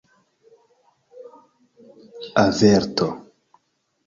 averto